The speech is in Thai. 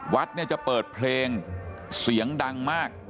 วัดเนี่ยจะเปิดเพลงเสียงดังมาก